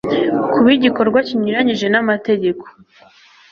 kuba igikorwa kinyuranyije n amategeko